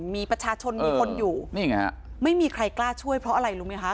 มีประชาชนมีคนอยู่นี่ไงฮะไม่มีใครกล้าช่วยเพราะอะไรรู้ไหมคะ